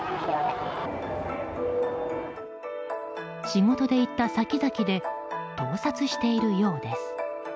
仕事で行った先々で盗撮しているようです。